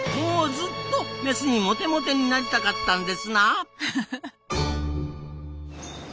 ズッとメスにモテモテになりたかったんですな。